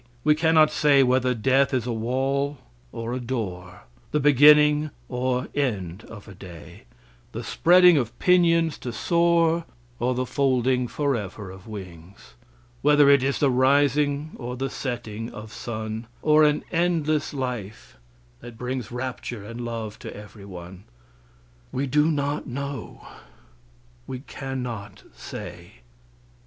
We cannot say whether death is a wall or a door; the beginning or end of a day; the spreading of pinions too soar or the folding forever of wings; whether it is the rising or the setting of sun, or an endless life that brings rapture and love to every one we do not know; we can not say.